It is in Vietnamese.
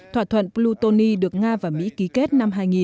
thỏa thuận plutoni được nga và mỹ ký kết năm hai nghìn